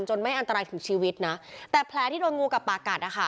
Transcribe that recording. จนไม่อันตรายถึงชีวิตนะแต่แพร่ที่โรงงูกับปลากัด